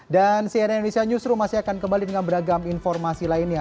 dan sinergi indonesia newsroom masih akan kembali dengan beragam informasi lainnya